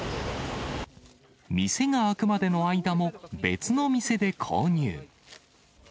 店が開くまでの間も、別の店で購入。